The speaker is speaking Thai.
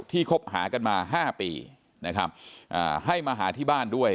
คบหากันมา๕ปีนะครับให้มาหาที่บ้านด้วย